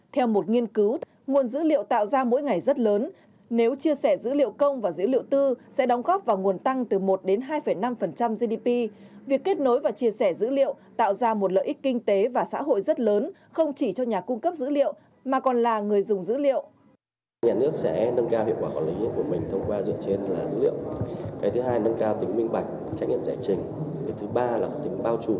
theo một nghiên cứu nguồn dữ liệu tạo ra mỗi ngày rất lớn nếu chia sẻ dữ liệu công và dữ liệu tư sẽ đóng góp vào nguồn tăng từ một đến hai năm gdp việc kết nối và chia sẻ dữ liệu tạo ra một lợi ích kinh tế và xã hội rất lớn không chỉ cho nhà cung cấp dữ liệu mà còn là người dùng dữ liệu